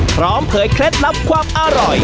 พร้อมเพิ่ยเคล็ดรับความอร่อย